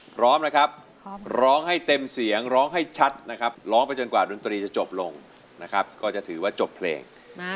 พร้อมนะครับร้องให้เต็มเสียงร้องให้ชัดนะครับร้องไปจนกว่าดนตรีจะจบลงนะครับก็จะถือว่าจบเพลง